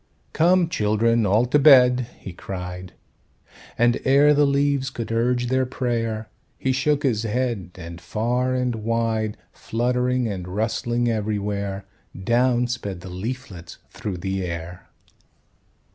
"Come, children, all to bed," he cried; And ere the leaves could urge their prayer, He shook his head, and far and wide, Fluttering and rustling everywhere, Down sped the leaflets through the air.